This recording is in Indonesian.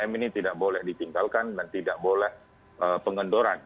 tiga m ini tidak boleh ditinggalkan dan tidak boleh pengendoran